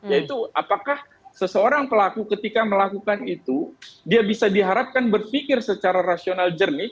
yaitu apakah seseorang pelaku ketika melakukan itu dia bisa diharapkan berpikir secara rasional jernih